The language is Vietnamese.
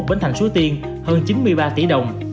bến thành suối tiên hơn chín mươi ba tỷ đồng